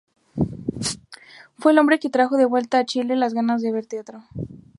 Fue el hombre que trajo de vuelta a Chile las ganas de ver teatro.